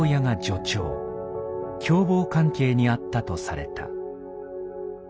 共謀関係にあったとされた。